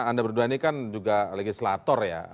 anda berdua ini kan juga legislator ya